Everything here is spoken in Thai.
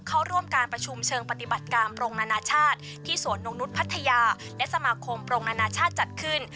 เข้าร่วมการประชุมเชิงปฏิบัติการโปรงนานาชาติที่สวนนงนุษย์พัทยาและสมาคมปรงนานาชาติจัดขึ้น